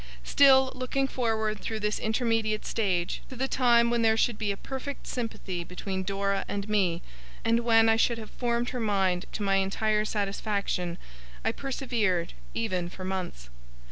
Still, looking forward through this intermediate stage, to the time when there should be a perfect sympathy between Dora and me, and when I should have 'formed her mind' to my entire satisfaction, I persevered, even for months.